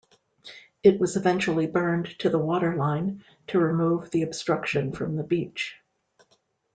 It was eventually burned to the waterline to remove the obstruction from the beach.